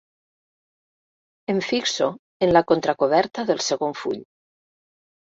Em fixo en la contracoberta del segon full.